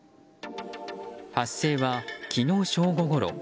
発生は昨日正午ごろ。